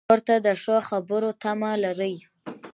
ورور ته د ښو خبرو تمه لرې.